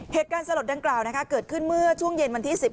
เหตุการณ์สลดดังกล่าวนะคะเกิดขึ้นเมื่อช่วงเย็นวันที่สิบ